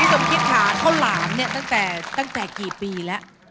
พี่สมคิตค่ะข้าวหลามเนี่ยตั้งแต่ตั้งแต่กี่ปีแล้ว